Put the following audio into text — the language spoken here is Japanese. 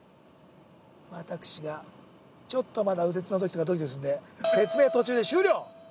私が、ちょっとまだ右折のときとかどきどきするんで、説明、途中で終了。